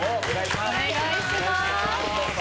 お願いします。